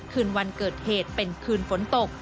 คืนวันเกิดเหตุเป็นคืนฝนตก